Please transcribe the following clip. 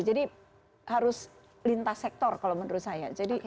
jadi harus lintas sektor kalau menurut saya